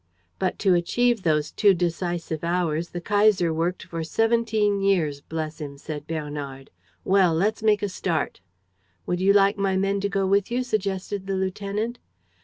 "But to achieve those two decisive hours the Kaiser worked for seventeen years, bless him!" said Bernard. "Well, let's make a start." "Would you like my men to go with you?" suggested the lieutenant.